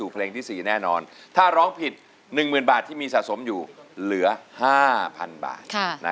เพลงที่๔แน่นอนถ้าร้องผิด๑๐๐๐บาทที่มีสะสมอยู่เหลือ๕๐๐๐บาท